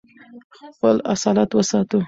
خپل اصالت وساتو.